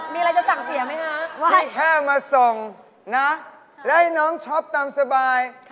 ไม่แค่มาส่งนะและให้น้องชอบตามสบาย